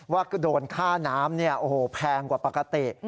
ว่าโดนค่าน้ำเนี่ยโอ้โหแพงกว่าปกติ